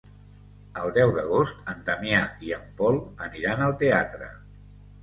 El deu d'agost en Damià i en Pol aniran al teatre.